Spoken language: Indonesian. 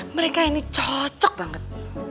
mereka ini cocok banget